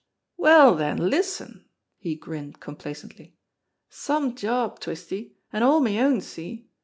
"Well, den, listen !" he grinned complacently. "Some job, Twisty; an' all me own see?